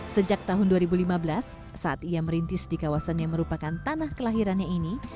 sejak tahun dua ribu lima belas saat ia merintis di kawasan yang merupakan tanah kelahirannya ini